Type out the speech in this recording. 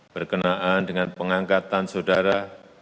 berkenaan dengan pengangkatan saudara